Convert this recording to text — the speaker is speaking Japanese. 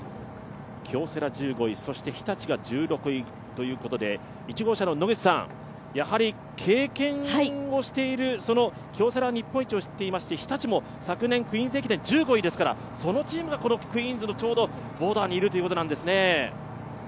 京セラ１５位、日立が１６位ということで１号車の野口さん、経験をしている、京セラは日本一を知っていますし、日立も昨年、クイーンズ駅伝１５位ですからそのチームがこのクイーンズのちょうどボーダーにいるということなんですね。